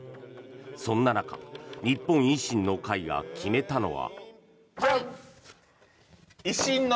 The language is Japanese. そんな中日本維新の会が決めたのは。